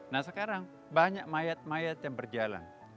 nah sekarang banyak mayat mayat yang berjalan